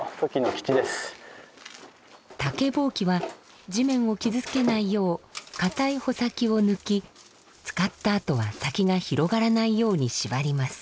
竹箒は地面を傷つけないよう硬い穂先を抜き使ったあとは先が広がらないように縛ります。